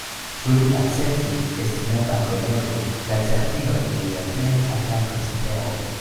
Volu akcepti, estimata kolego, la certigon de mia plej alta konsidero.